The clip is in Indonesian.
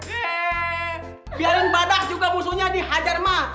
eh biarin badak juga musuhnya dihajar mah